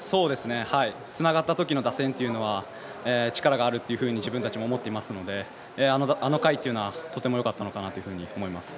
つながった時の打線は力があるというふうに自分でも思っていましたのであの回というのはとてもよかったのかなと思います。